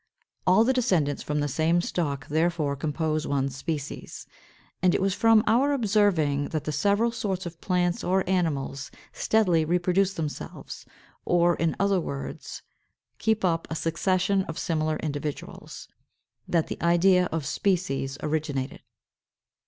= All the descendants from the same stock therefore compose one species. And it was from our observing that the several sorts of plants or animals steadily reproduce themselves, or, in other words, keep up a succession of similar individuals, that the idea of species originated.